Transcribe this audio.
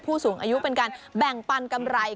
ผู้สูงอายุเป็นการแบ่งปันกำไร